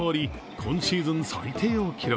今シーズン最低を記録。